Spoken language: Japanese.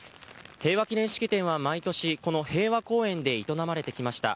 平和祈念式典は毎年この平和公園で営まれてきました。